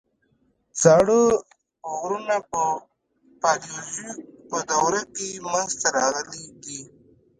زاړه غرونه په پالیوزویک په دوره کې منځته راغلي دي.